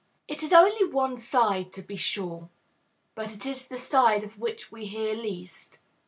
It is only one side, to be sure. But it is the side of which we hear least.